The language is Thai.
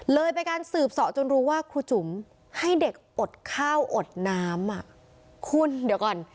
เลยไปการสืบเสาะจนรู้ว่าครูจุ๋มให้เด็กอดข้าวอดน้ำอ่ะคุณเดี๋ยวก่อน